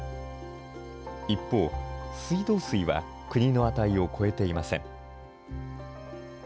一方、水道水は国の値を超えていません。